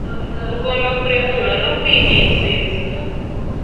Ugomba kurekura no kwinezeza.